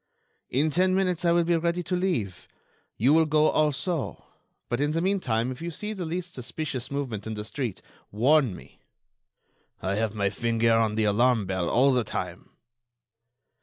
"In ten minutes I will be ready to leave. You will go also. But in the meantime if you see the least suspicious movement in the street, warn me." "I have my finger on the alarm bell all the time."